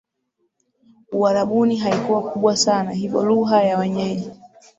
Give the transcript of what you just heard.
Uarabuni haikuwa kubwa sana hivyo lugha ya wenyeji